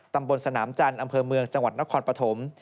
ตำบลสนามจันทร์อำเภอเมืองจังหวัดนครปฐม